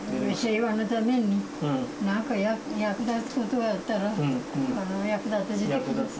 平和のために、なんか役立つことがあったら役立ててください。